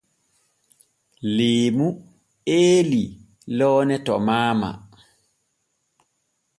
Leemu eelii loone to maama.